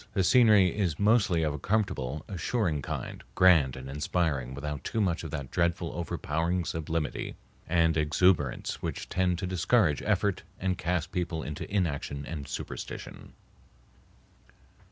The scenery is mostly of a comfortable, assuring kind, grand and inspiring without too much of that dreadful overpowering sublimity and exuberance which tend to discourage effort and cast people into inaction and superstition.